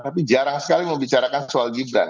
tapi jarang sekali membicarakan soal gibran